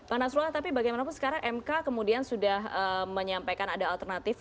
pak nasrullah tapi bagaimanapun sekarang mk kemudian sudah menyampaikan ada alternatif